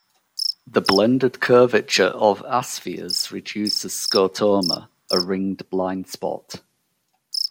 The blended curvature of aspheres reduces scotoma, a ringed blind spot.